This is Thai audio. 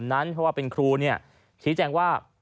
เพราะว่าเป็นครูชี้แจงว่า